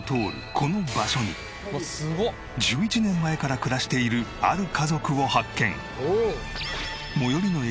この場所に１１年前から暮らしているある家族を発見。